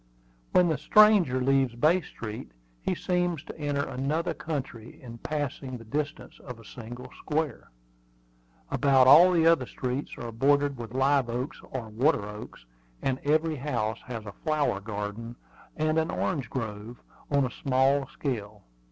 When the stranger leaves Bay Street he seems to enter another country in passing the distance of a single square. About all the other streets are bordered with live oaks or water oaks, and every house has a flower garden and an orange grove, on a small scale.